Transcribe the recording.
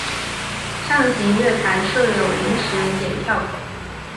上行月台设有临时剪票口。